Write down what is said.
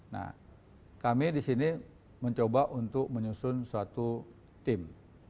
nah kami disini mencoba untuk menyusun suatu tim